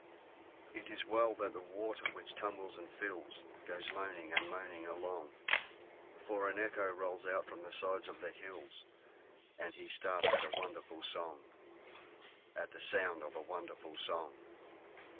It is well that the water which tumbles and fills, Goes moaning and moaning along; For an echo rolls out from the sides of the hills, And he starts at a wonderful song—At the sounds of a wonderful song.